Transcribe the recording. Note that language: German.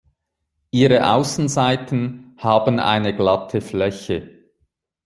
Ihre Außenseiten haben eine glatte Fläche.